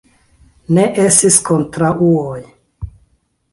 Ne estis kontraŭoj.